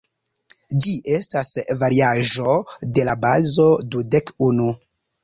Ĝi estas variaĵo de la bazo dudek unu.